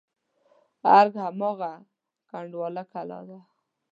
ارګ هماغه کنډواله کلا ده.